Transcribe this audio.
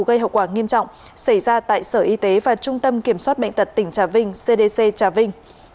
gây hậu quả nghiêm trọng xảy ra tại sở y tế và trung tâm kiểm soát bệnh tật tỉnh trà vinh cdc trà vinh